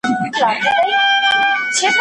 که د خاوند خپله ميرمن خوښه نه وي څه به کوي؟